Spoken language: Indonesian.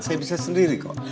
saya bisa sendiri kok